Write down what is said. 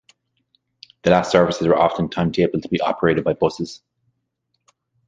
The last services are often timetabled to be operated by buses.